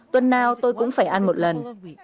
tuần nào tôi cũng phải ăn một lần